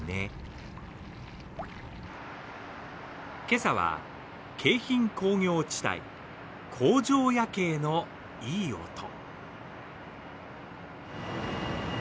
今朝は京浜工業地帯、工場夜景のいい音。